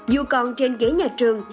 dù còn trên ghế nhà trường